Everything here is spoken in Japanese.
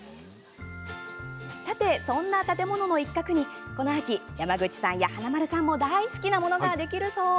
さて、そんな建物の一角にこの秋、山口さんや華丸さんも大好きなものができるそう。